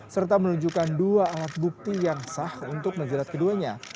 serta menunjukkan dua alat bukti yang sah untuk menjerat keduanya